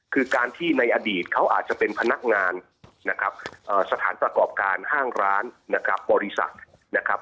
คือการที่ในอดีตเขาอาจจะเป็นพนักงานนะครับสถานประกอบการห้างร้านนะครับบริษัทนะครับ